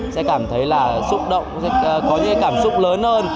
sẽ cảm thấy là xúc động sẽ có những cái cảm xúc lớn hơn